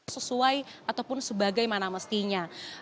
sesuai ataupun sebagaimana mestinya